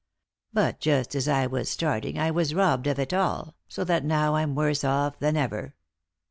But just as I was starting I was robbed of it all, so that now I'm worse off than ever."